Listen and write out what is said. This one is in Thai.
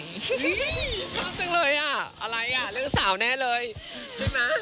นี่ชอบจริงเลยอะอะไรอะเรื่องสาวแน่เลยใช่มั้ย